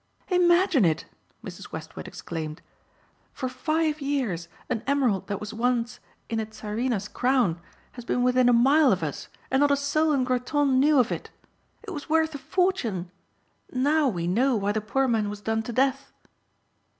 "Imagine it," Mrs. Westward exclaimed, "for five years an emerald that was once in a Tsarina's crown has been within a mile of us and not a soul in Groton knew of it. It was worth a fortune. Now we know why the poor man was done to death."